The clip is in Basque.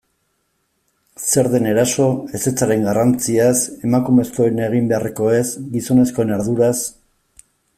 Zer den eraso, ezetzaren garrantziaz, emakumezkoen egin beharrekoez, gizonezkoen arduraz...